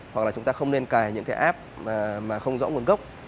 hoặc là chúng ta không nên cài những cái app mà không rõ nguồn gốc